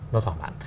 nó thỏa mãn